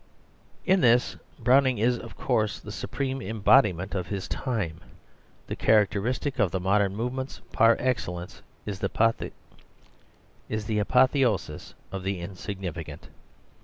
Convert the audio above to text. In this Browning is, of course, the supreme embodiment of his time. The characteristic of the modern movements par excellence is the apotheosis of the insignificant.